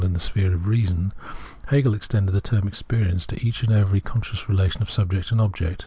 in the sphere of 'I reason "), Hegel extended the term ' experience ' to each and every consciouf relation of subject and object.